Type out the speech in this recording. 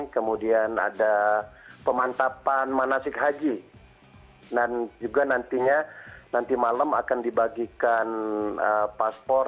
kemudian ada pemantapan manasik haji dan juga nantinya nanti malam akan dibagikan paspor